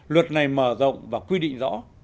luật này mở rộng và quy định rõ